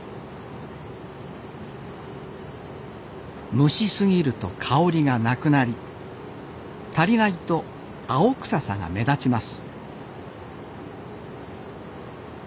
蒸しすぎると香りがなくなり足りないと青臭さが目立ちます